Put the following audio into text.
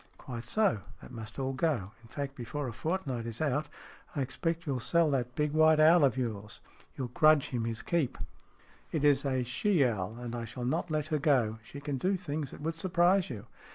" Quite so. That must all go. In fact, before a fortnight is out I expect you'll sell that big white owl of yours. You'll grudge him his keep." SMEATH 33 " It is a she owl, and I shall not let her go. She can do things that would surprise you."